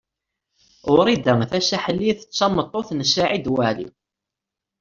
Wrida Tasaḥlit d tameṭṭut n Saɛid Waɛli.